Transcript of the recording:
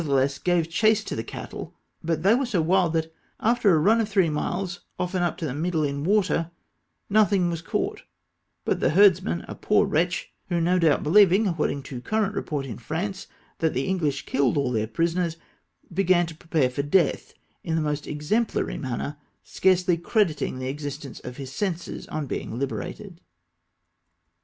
tlieless gcave chase to the cattle, but they were so wild, that after a run of three miles, often up to the middle in water, nothing was caught but the herds man, a poor wretch, who no doubt beheving, according to current report in France, that the English killed all their prisoners, began to prepare for death in the most exemplary manner, scarcely creditmg the evi dence of his senses on being hberated.